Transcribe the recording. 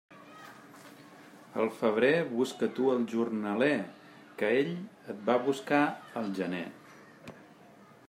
Al febrer busca tu el jornaler, que ell et va buscar al gener.